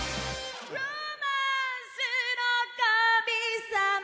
ロマンスの神様